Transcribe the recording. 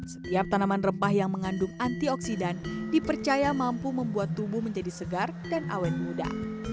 setiap tanaman rempah yang mengandung antioksidan dipercaya mampu membuat tubuh menjadi segar dan awen muda